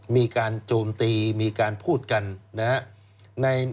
มีการโจมตีมีการพูดกันนะครับ